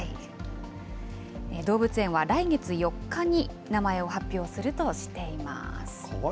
動物園は来月４日に名前を発表するとしています。